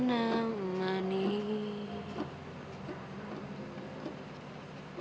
nishtaya dia akan merasa terhibur